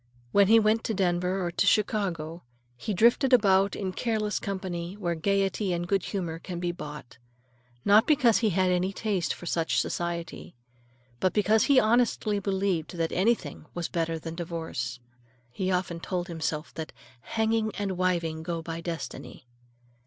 When he went to Denver or to Chicago, he drifted about in careless company where gayety and good humor can be bought, not because he had any taste for such society, but because he honestly believed that anything was better than divorce. He often told himself that "hanging and wiving go by destiny."